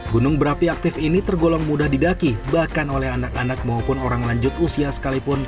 gunung berapi aktif ini tergolong mudah didaki bahkan oleh anak anak maupun orang lanjut usia sekalipun